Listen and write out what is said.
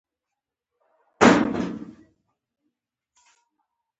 نن یې زما زوی له پایڅې ونیوه او پرې یې شلوله.